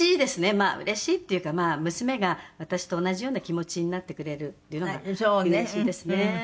「まあうれしいっていうか娘が私と同じような気持ちになってくれるっていうのがうれしいですね」